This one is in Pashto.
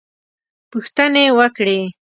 پوښتنې وکړې.